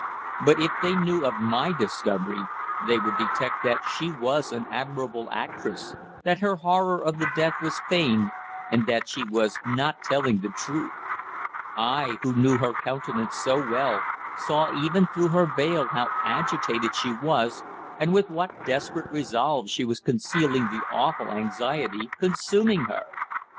But if they knew of my discovery they would detect that she was an admirable actress that her horror of the dead was feigned, and that she was not telling the truth. I, who knew her countenance so well, saw even through her veil how agitated she was, and with what desperate resolve she was concealing the awful anxiety consuming her.